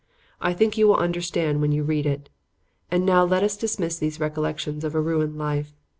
I think you will understand when you read it. And now let us dismiss these recollections of a ruined life.